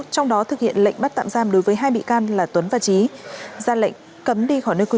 trong đó thực hiện lệnh bắt tạm giam đối với hai bị can là tuấn và trí ra lệnh cấm đi khỏi nơi cư